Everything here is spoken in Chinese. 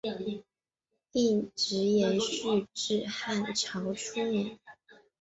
一直延续至汉朝初年。